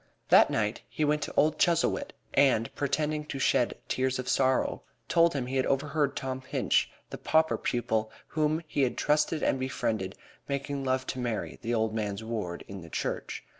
That night he went to old Chuzzlewit and, pretending to shed tears of sorrow, told him he had overheard Tom Pinch, the pauper pupil, whom he had trusted and befriended, making love to Mary, the old man's ward, in the church.